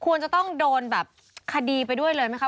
ควรจะต้องโดนแบบคดีไปด้วยเลยไหมคะ